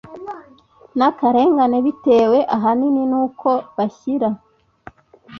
N akarengane bitewe ahanini n uko bashyira